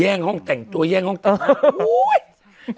งห้องแต่งตัวแย่งห้องแต่ง